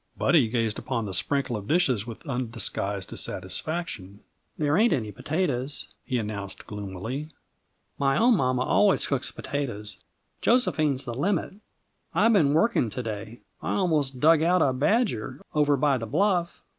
Buddy gazed upon the sprinkle of dishes with undisguised dissatisfaction. "There ain't any potatoes," he announced gloomily. "My own mamma always cooks potatoes. Josephine's the limit! I been working to day. I almost dug out a badger, over by the bluff.